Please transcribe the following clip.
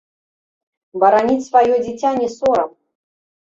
Бараніць сваё дзіця не сорам.